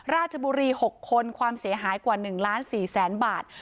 ราชบุรี๖คนความเสียหายกว่า๑๔๐๐๐๐๐บาท